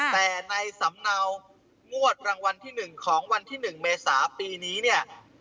แต่ในสำเนางวดรางวัลที่๑ของวันที่๑เมษาปีนี้เนี่ย